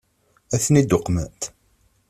Ad ten-id-uqment?